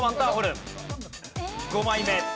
５枚目。